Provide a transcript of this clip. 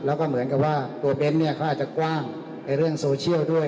แล้วก็เหมือนกับว่าตัวเบ้นเนี่ยเขาอาจจะกว้างในเรื่องโซเชียลด้วย